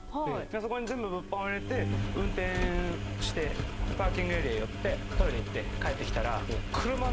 そこに全部物販を入れて運転してパーキングエリア寄ってトイレ行って帰ってきたら車の上が開いてまして。